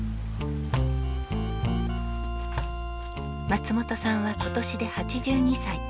松本さんは今年で８２歳。